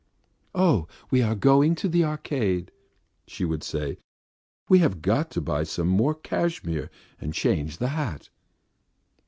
"Oh, we are going to the Arcade," she would say. "We have got to buy some more cashmere and change the hat."